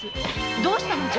どうしたのじゃ。